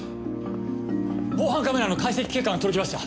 防犯カメラの解析結果が届きました。